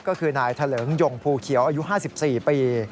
ก็คือนายทะเลิงยงภูเขียวอายุ๕๔ปี